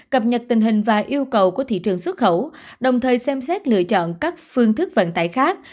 cập nhật tình hình và yêu cầu của thị trường xuất khẩu đồng thời xem xét lựa chọn các phương thức vận tải khác